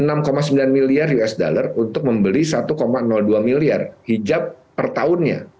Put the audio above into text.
usd enam sembilan miliar untuk membeli usd satu dua miliar hijab per tahunnya